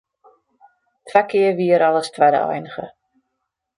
Twa kear wie er al as twadde einige.